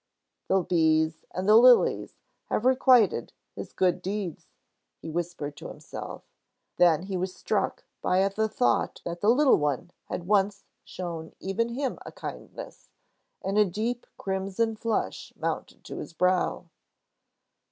"The bees and the lilies have requited his good deeds," he whispered to himself. Then he was struck by the thought that the little one had once shown even him a kindness, and a deep crimson flush mounted to his brow.